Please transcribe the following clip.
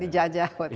dijajah waktu itu